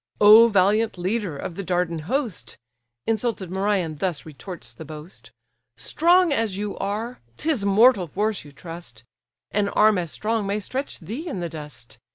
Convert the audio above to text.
"O valiant leader of the Dardan host! (Insulted Merion thus retorts the boast) Strong as you are, 'tis mortal force you trust, An arm as strong may stretch thee in the dust.